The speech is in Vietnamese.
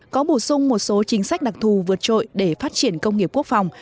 có bổ sung một số chính sách đặc thù vượt trội để phát triển công nghiệp quốc phòng